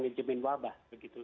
manajemen wabah begitu